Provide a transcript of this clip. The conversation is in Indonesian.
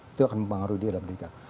itu akan mempengaruhi dia dalam mereka